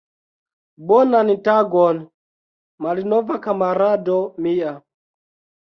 Bonan tagon, malnova kamarado mia!